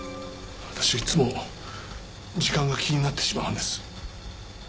私いつも時間が気になってしまうんです。